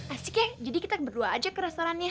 asik ya jadi kita berdua aja ke restorannya